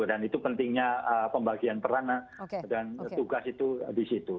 dan itu pentingnya pembagian peran dan tugas itu di situ